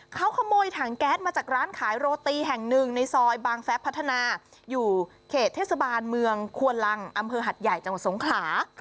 เขาขโมยถังแก๊สมาจากร้านขายโรตีแห่งหนึ่งในซอยบางแฟบพัฒนาอยู่เขตเทศบาลเมืองควนลังอำเภอหัดใหญ่จังหวัดสงขลา